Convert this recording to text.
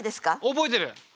覚えてる！